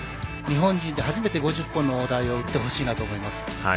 日本人で初めて５０本の大台を打ってほしいと思います。